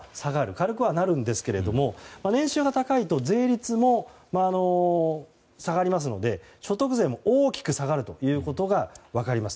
軽くはなるんですけど年収が高いと税率も下がりますので所得税も大きく下がるということが分かります。